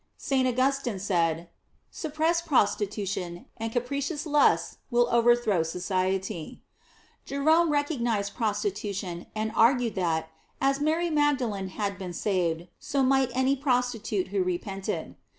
Saint Augustin said, "Suppress prostitution, and capricious lusts will overthrow society." Jerome recognized prostitution, and argued that, as Mary Magdalene had been saved, so might any prostitute who repented.